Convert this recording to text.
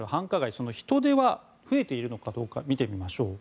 その人出は増えているのか見てみましょう。